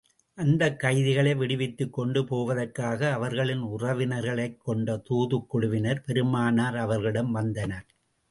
அந்தக் கைதிகளை விடுவித்துக் கொண்டு போவதற்காக அவர்களின் உறவினர்களைக் கொண்ட தூதுக் குழுவினர், பெருமானார் அவர்களிடம் வந்தனர்.